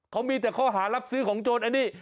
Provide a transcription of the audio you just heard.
เขามีแต่ข้อหารับซื้อของโจรอันนี้